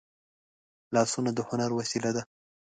لاسونه د هنر وسیله ده